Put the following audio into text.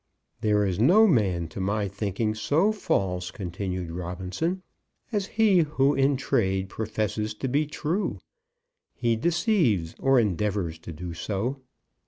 "There is no man, to my thinking, so false," continued Robinson, "as he who in trade professes to be true. He deceives, or endeavours to do so.